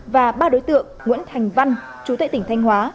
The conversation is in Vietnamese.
và ba đối tượng nguyễn thành văn chú tại tỉnh thanh hóa